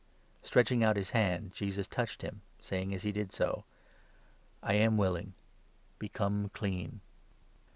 Stretching out his hand, Jesus touched him, saying as he did 3 so :" I am willing ; become clean." MI»a. a. n.